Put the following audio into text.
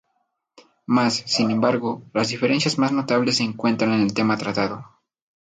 Más sin embargo las diferencias más notables se encuentran en el tema tratado.